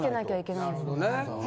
なるほどね。